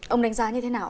ông đánh giá như thế nào